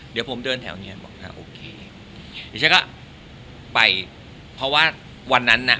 เดี๋ยวผมเดินแถวเนี้ยบอกอ่าโอเคเดี๋ยวฉันก็ไปเพราะว่าวันนั้นน่ะ